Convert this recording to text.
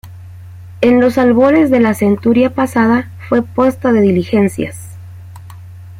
En los albores de la centuria pasada fue posta de diligencias.